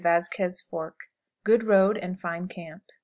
Vasquez Fork. Good road and fine camp.